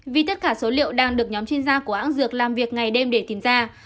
vì tất cả số liệu đang được nhóm chuyên gia của hãng dược làm việc ngày đêm để tìm ra